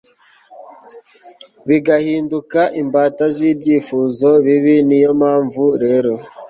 bigahinduka imbata zibyifuzo bibi Niyo mpamvu rero